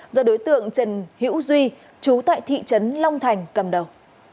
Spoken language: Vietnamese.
do đối tượng trần hữu duy chú tại thị trấn long thành cầm đầu